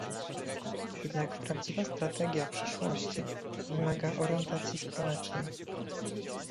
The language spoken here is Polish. Jednak prawdziwa strategia przyszłości wymaga orientacji społecznej